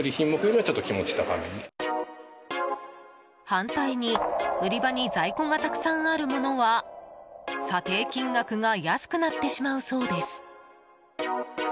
反対に、売り場に在庫がたくさんあるものは査定金額が安くなってしまうそうです。